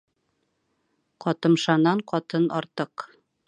Ҡатымшанан ҡатын артыҡ.